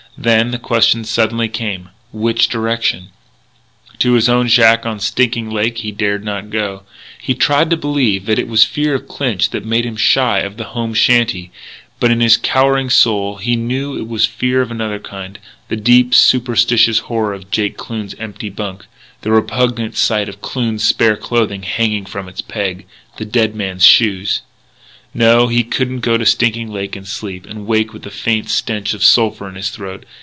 Then the question suddenly came, which direction? To his own shack on Stinking Lake he dared not go. He tried to believe that it was fear of Clinch that made him shy of the home shanty; but, in his cowering soul, he knew it was fear of another kind the deep, superstitious horror of Jake Kloon's empty bunk the repugnant sight of Kloon's spare clothing hanging from its peg the dead man's shoes No, he could not go to Stinking Lake and sleep.... And wake with the faint stench of sulphur in his throat....